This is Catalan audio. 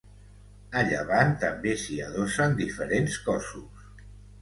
A llevant també s'hi adossen diferents cossos.